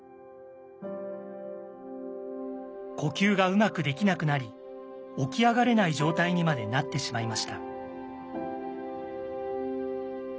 呼吸がうまくできなくなり起き上がれない状態にまでなってしまいました。